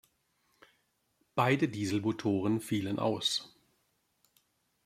Beide Dieselmotoren fielen aus.